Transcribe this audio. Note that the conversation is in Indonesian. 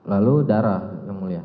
lalu darah yang mulia